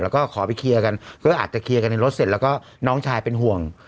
แล้วก็ขอไปเคลียร์กันก็อาจจะเคลียร์กันในรถเสร็จแล้วก็น้องชายเป็นห่วง